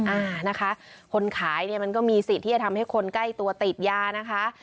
อ่านะคะคนขายเนี่ยมันก็มีสิทธิ์ที่จะทำให้คนใกล้ตัวติดยานะคะ